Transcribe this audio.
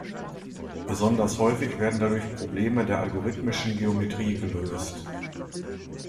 Besonders häufig werden dadurch Probleme der Algorithmischen Geometrie gelöst.